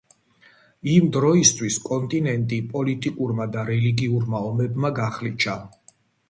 იმ დროისთვის, კონტინენტი პოლიტიკურმა და რელიგიურმა ომებმა გახლიჩა.